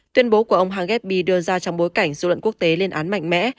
tuyên bố của ông hangebi đưa ra trong bối cảnh dụ luận quốc tế liên án mạnh mẽ